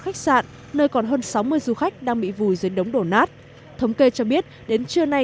khách sạn nơi còn hơn sáu mươi du khách đang bị vùi dưới đống đổ nát thống kê cho biết đến trưa nay